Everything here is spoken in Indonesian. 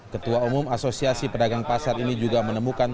ketua umum asosiasi pedagang pasar ini juga menemukan